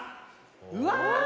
うわ！